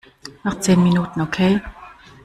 Noch zehn Minuten, okay?